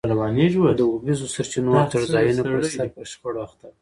د اوبیزو سرچینو او څړځایونو پرسر پر شخړو اخته وو.